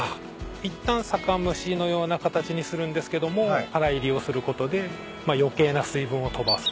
いったん酒蒸しのような形にするんですけども空いりをすることで余計な水分を飛ばす。